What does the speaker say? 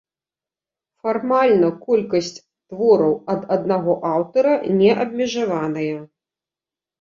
Фармальна колькасць твораў ад аднаго аўтара не абмежаваная.